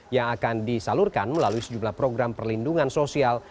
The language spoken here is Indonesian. yang akan disalurkan melalui sejumlah program perlindungan sosial